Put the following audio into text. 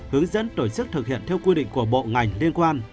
hướng dẫn tổ chức thực hiện theo quy định của bộ ngành liên quan